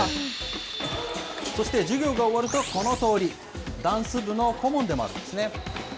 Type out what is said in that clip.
そして授業が終わると、このとおり、ダンス部の顧問でもあるんですね。